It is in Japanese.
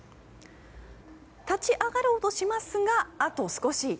立ち上がろうとしますがあと少し。